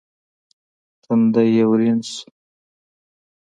تندی يې ورين شو.